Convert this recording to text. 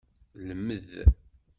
Lmed.